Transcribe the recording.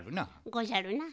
ごじゃるな。